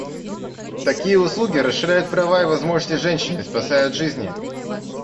Такие услуги расширяют права и возможности женщин и спасают жизни.